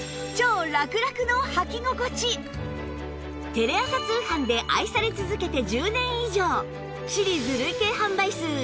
テレ朝通販で愛され続けて１０年以上！